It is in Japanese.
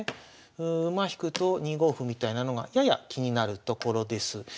馬引くと２五歩みたいなのがやや気になるところです。